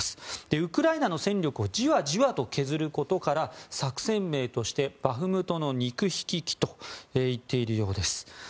ウクライナの戦力をじわじわと削ることから作戦名としてバフムトの肉ひき機といっているようです。